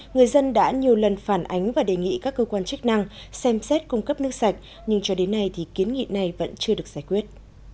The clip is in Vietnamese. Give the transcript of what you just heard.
người dân đã nhiều lần phản ánh và đề nghị các cơ quan chức năng xem xét cung cấp nước sạch nhưng cho đến nay thì kiến nghị này vẫn chưa được giải quyết